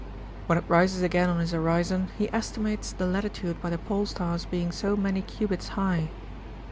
When it rises again on his horizon he esti mates the Latitude by the Pole star's being so many cubits high.